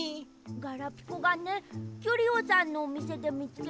ガラピコがねキュリオさんのおみせでみつけたあおい